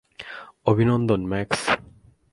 অভিনন্দন, ম্যাক্স।